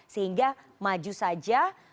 sehingga maju saja